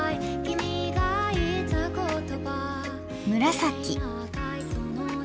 紫。